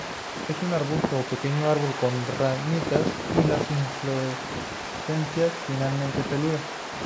Es un arbusto o pequeño árbol con ramitas y las inflorescencias finamente peludas.